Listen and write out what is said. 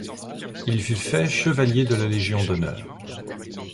Il fut fait Chevalier de la Légion d'honneur.